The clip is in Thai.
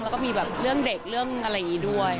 แล้วก็มีแบบเรื่องเด็กเรื่องอะไรอย่างนี้ด้วย